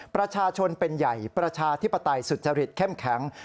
ประชาชนเป็นใหญ่ประชาธิปไตยสุจริตเข้มแข็ง